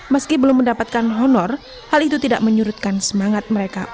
meski belum mendapatkan honor hal itu tidak menyurutkan semangat mereka